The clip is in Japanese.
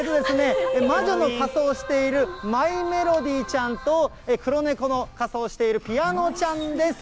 魔女の仮装をしているマイメロディちゃんと、黒猫の仮装をしているピアノちゃんです。